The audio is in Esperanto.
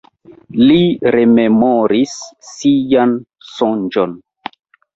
Li rememoris sian sonĝon.